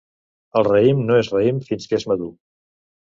El raïm no és raïm fins que és madur.